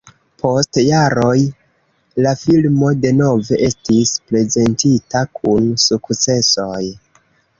Post jaroj la filmo denove estis prezentita kun sukcesoj.